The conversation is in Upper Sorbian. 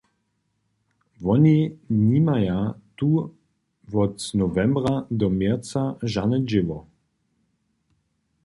Woni nimaja tu wot nowembra do měrca žane dźěło.